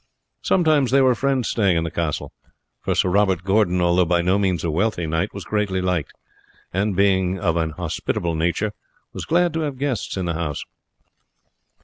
Sometimes there were friends staying in the castle; for Sir Robert Gordon, although by no means a wealthy knight, was greatly liked, and, being of an hospitable nature, was glad to have guests in the house.